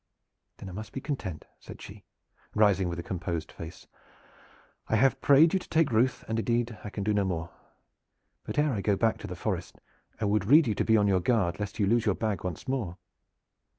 "Then I must be content," said she, rising, with a composed face. "I have prayed you to take ruth, and indeed I can do no more; but ere I go back to the forest I would rede you to be on your guard lest you lose your bag once more.